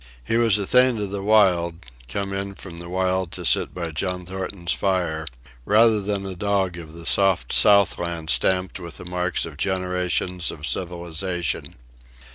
He was a thing of the wild, come in from the wild to sit by John Thornton's fire, rather than a dog of the soft Southland stamped with the marks of generations of civilization.